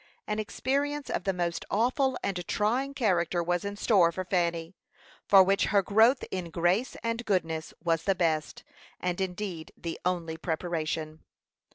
An experience of the most awful and trying character was in store for Fanny, for which her growth in grace and goodness was the best, and indeed the only preparation.